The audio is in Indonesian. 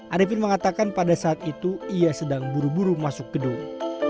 arifin mengatakan pada saat itu ia sedang buru buru masuk gedung